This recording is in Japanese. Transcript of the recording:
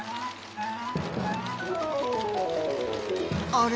あれ？